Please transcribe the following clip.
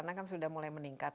karena kan sudah mulai meningkat